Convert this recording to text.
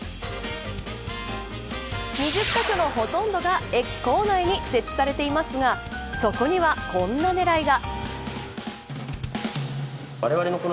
２０カ所のほとんどが、駅構内に設置されていますがそこにはこんな狙いが。